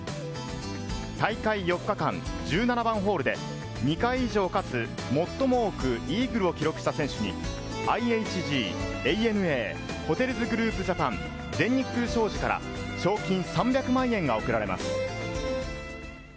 大会４日間、１７番ホールで２回以上かつ、最も多くイーグルを記録した選手に、ＩＨＧ・ＡＮＡ・ホテルズグループジャパン、全日空商事から賞金３００万円が贈られます。